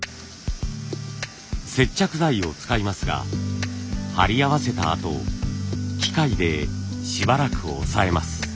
接着剤を使いますが貼り合わせたあと機械でしばらく押さえます。